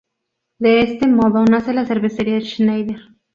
De este modo nace la Cervecería Schneider.